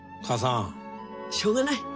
しょうがない。